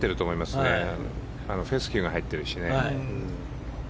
フェスキューが入ってるしね。